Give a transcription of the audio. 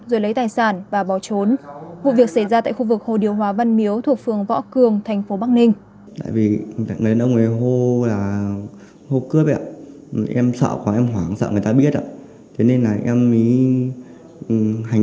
rồi lấy tài sản và bỏ trốn vụ việc xảy ra tại khu vực hồ điều hòa văn miếu thuộc phường võ cường thành phố bắc ninh